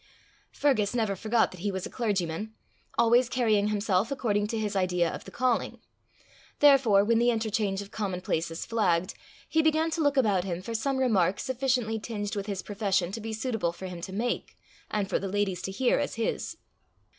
Fergus never forgot that he was a clergyman, always carrying himself according to his idea of the calling; therefore when the interchange of commonplaces flagged, he began to look about him for some remark sufficiently tinged with his profession to be suitable for him to make, and for the ladies to hear as his.